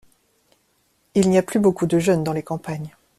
Il n’y a plus beaucoup de jeunes dans les campagnes.